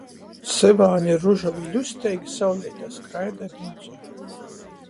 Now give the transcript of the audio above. Syvāni ir ružovi i ļusteigi, sauleitē skraida i doncoj.